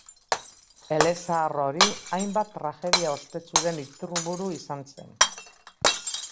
Elezahar hori hainbat tragedia ospetsuren iturburu izan zen.